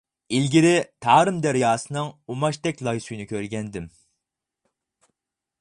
ئىلگىرى تارىم دەرياسىنىڭ ئۇماچتەك لاي سۈيىنى كۆرگەنىدىم.